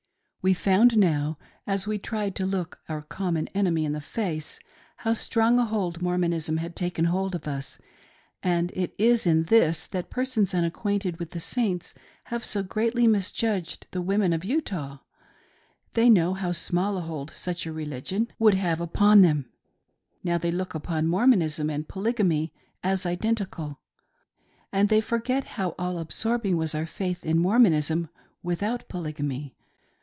"We found now, as we tried to look our common enemy in the face, how strong a hold Mormonism had taken of us ; and it is in this that persons unacquainted with the Saints have so greatly mis judged the women of Utah; they know how small a hold such a religion — now they look upon Mormonism and Polygamy as identical — would have upon them ; and they forget how all absorbing was our faith in Mormonism without Polygamy.